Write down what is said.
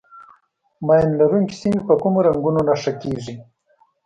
ماین لرونکي سیمې په کومو رنګونو نښه کېږي.